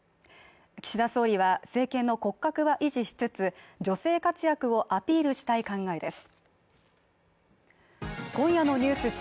岸田総理は政権の骨格は維持しつつ女性活躍をアピールしたい考えです